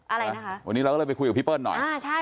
อะไรนะคะวันนี้เราก็เลยไปคุยกับพี่เปิ้ลหน่อยอ่าใช่